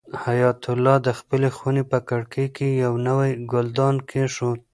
حیات الله د خپلې خونې په کړکۍ کې یو نوی ګلدان کېښود.